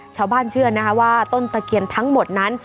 เชื่อนะคะว่าต้นตะเคียนทั้งหมดนั้น